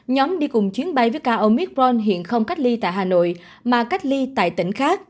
nhóm đi cùng chuyến bay với cả omicron hiện không cách ly tại hà nội